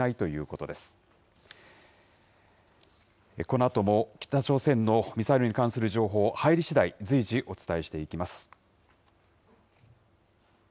このあとも北朝鮮のミサイルに関する情報、入りしだい、随時お伝えしていきます。